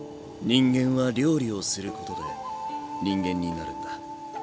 人間は料理をすることで人間になるんだ。